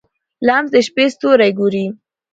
لمسی د شپې ستوري ګوري.